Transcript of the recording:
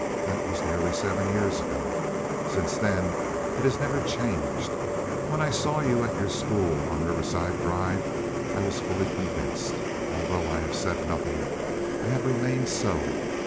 That was nearly seven years ago. Since then it has never changed. When I saw you at your school on Riverside Drive I was fully convinced. Although I have said nothing, I have remained so.